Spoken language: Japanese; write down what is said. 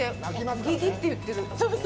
ギギッていってる。